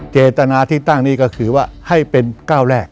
เจตนาที่ตั้งนี่ก็คือว่าให้เป็นก้าวแรก